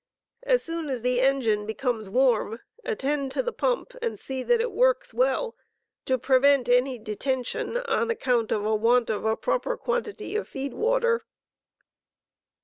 As soon as the engine becomes warm, attend to the pump and see that it works well, to prevent any detention on account of a want of a proper quantity of feed water.